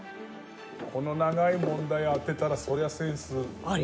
この長い問題を当てたらそりゃセンス大ありです。